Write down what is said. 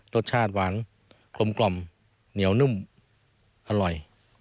รสชาติหวานกลมเหนียวนุ่มอร่อย